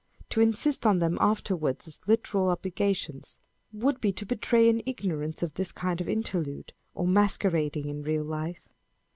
To insist on them afterwards as literal obligations, would be to betray an ignorance of this kind of interlude, or masquerading in real life.